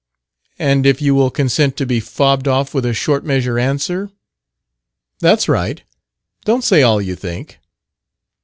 "And if you will consent to be fobbed off with a short measure answer " "That's right. Don't say all you think."